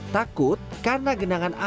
takut karena genangan airnya